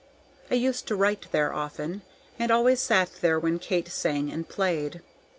I used to write there often, and always sat there when Kate sang and played.